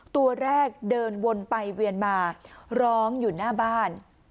ตัวแรกเดินวนไปเวียนมาร้องอยู่หน้าบ้าน